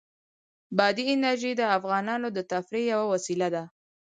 بادي انرژي د افغانانو د تفریح یوه وسیله ده.